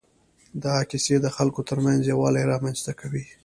دا کیسې د خلکو تر منځ یووالی رامنځ ته کوي.